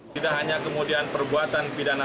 tidak hanya kemudian perbuatan pidana